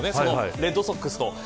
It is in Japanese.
レッドソックスと。